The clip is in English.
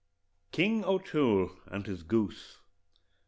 KING O'TOOLE AND HIS GOOSE.